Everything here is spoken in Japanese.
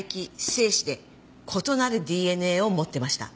精子で異なるＤＮＡを持ってました。